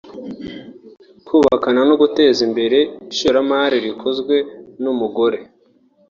kubakana no guteza imbere ishoramari rikozwe n’umugore